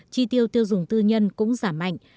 tri tiêu tiêu dùng tư nhân cũng giảm mạnh